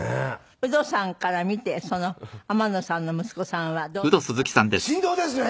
ウドさんから見てその天野さんの息子さんはどうですか？